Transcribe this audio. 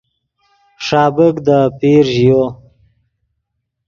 ݰابیک دے آپیر ژیو